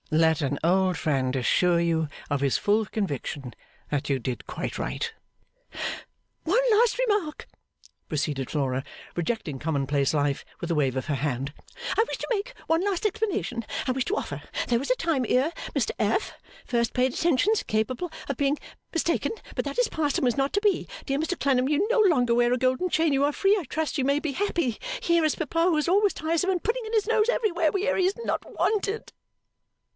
Let an old friend assure you of his full conviction that you did quite right.' 'One last remark,' proceeded Flora, rejecting commonplace life with a wave of her hand, 'I wish to make, one last explanation I wish to offer, there was a time ere Mr F. first paid attentions incapable of being mistaken, but that is past and was not to be, dear Mr Clennam you no longer wear a golden chain you are free I trust you may be happy, here is Papa who is always tiresome and putting in his nose everywhere where he is not wanted.